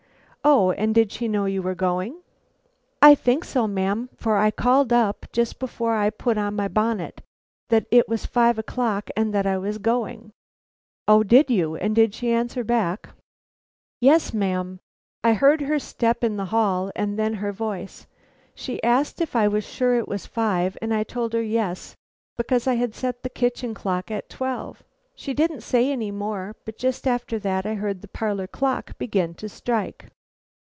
"O, and did she know you were going?" "I think so, ma'am, for I called up, just before I put on my bonnet, that it was five o'clock and that I was going." "O, you did. And did she answer back?" "Yes, ma'am. I heard her step in the hall and then her voice. She asked if I was sure it was five, and I told her yes, because I had set the kitchen clock at twelve. She didn't say any more, but just after that I heard the parlor clock begin to strike."